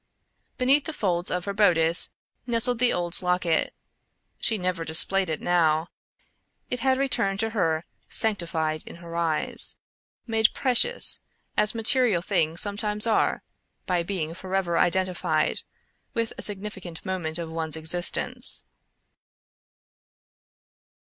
Beneath the folds of her bodice nestled the old locket. She never displayed it now. It had returned to her sanctified in her eyes; made precious as material things sometimes are by being forever identified with a significant moment of one's existence.